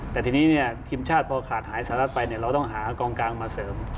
แต่ทีนี้ทีมชาติพอขาดหายสหรัฐไปเราต้องหากองกลางมาเสริม